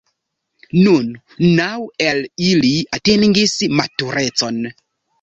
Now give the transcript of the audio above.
Nun naŭ el ili atingis maturecon.